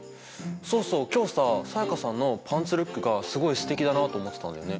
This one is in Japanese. そうそう今日さ才加さんのパンツルックがすごいすてきだなあと思ってたんだよね。